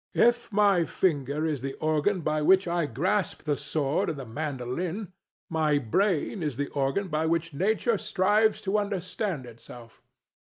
If my finger is the organ by which I grasp the sword and the mandoline, my brain is the organ by which Nature strives to understand itself.